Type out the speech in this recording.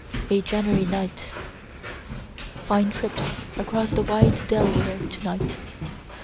A January Night. Fine trips across the wide Delaware to night.